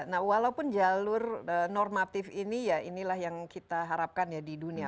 nah walaupun jalur normatif ini ya inilah yang kita harapkan ya di dunia